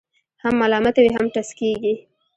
هم ملامته وي، هم ټسکېږي.